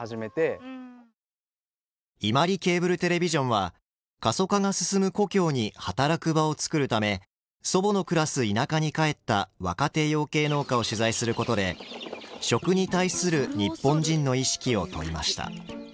伊万里ケーブルテレビジョンは過疎化が進む故郷に働く場を作るため祖母の暮らす田舎に帰った若手養鶏農家を取材することで食に対する日本人の意識を問いました。